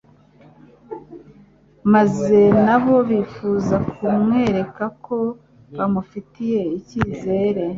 maze na bo bifuza kumwereka ko bamufitiye icyizere.